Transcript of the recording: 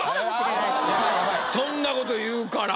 そんなこと言うから。